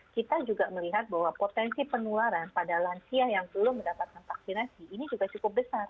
kita juga melihat bahwa potensi penularan pada lansia yang belum mendapatkan vaksinasi ini juga cukup besar